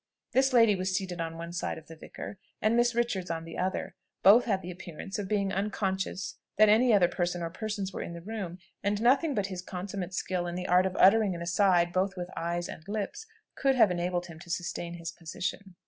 This lady was seated on one side of the vicar, and Miss Richards on the other: both had the appearance of being unconscious that any other person or persons were in the room, and nothing but his consummate skill in the art of uttering an aside both with eyes and lips could have enabled him to sustain his position.